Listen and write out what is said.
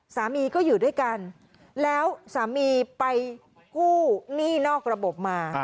สามีก็อยู่ด้วยกันแล้วสามีไปกู้หนี้นอกระบบมา